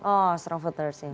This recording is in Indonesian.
oh strong voters ya